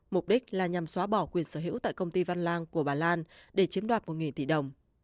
mục đích là nhằm xóa bỏ quyền sở hữu tại công ty văn lang của bà lan để chiếm đoạt một tỷ đồng